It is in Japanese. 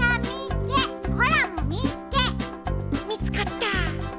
みつかった。